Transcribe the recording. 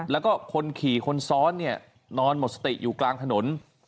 แล้วก็คนขี่คนซ้อนเนี่ยนอนหมดสติอยู่กลางถนน